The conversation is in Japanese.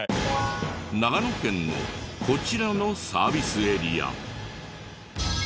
長野県のこちらのサービスエリア。